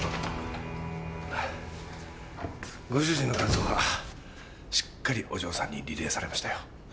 ご主人の肝臓はしっかりお嬢さんにリレーされましたよ。